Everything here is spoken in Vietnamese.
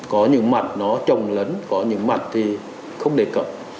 có những mặt nó trồng lấn có những mặt thì không đề cập